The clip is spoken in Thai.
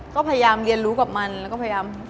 ก็พยายามเรียนรู้กับมันแล้วก็พยายาม